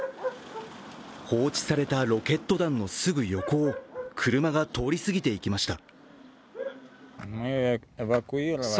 放置されたロケット弾のすぐ横を車が通り過ぎていきました。